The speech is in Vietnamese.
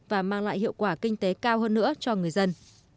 và mang lại hiệu quả kinh tế cao hơn nữa cho người dân